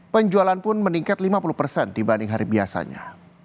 penjualan pun meningkat lima puluh persen dibanding hari biasanya